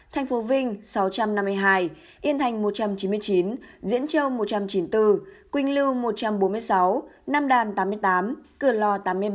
thành phố vinh sáu trăm năm mươi hai yên thành một trăm chín mươi chín diễn châu một trăm chín mươi bốn quỳnh lưu một trăm bốn mươi sáu nam đàn tám mươi tám cửa lò tám mươi bảy